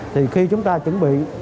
thì khi chúng ta chuẩn bị